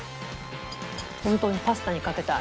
本当にパスタにかけたい。